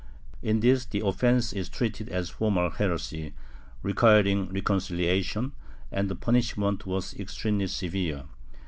In this the offence is treated as formal heresy, requiring reconcihation, and the punish ment was extremely severe.